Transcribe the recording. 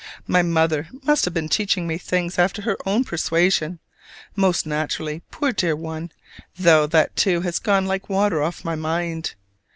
My mother must have been teaching me things after her own persuasion; most naturally, poor dear one though that too has gone like water off my mind.